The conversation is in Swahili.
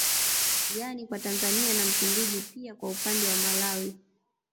Yani kwa Tanzania na Msumbiji pia kwa upande wa Malawi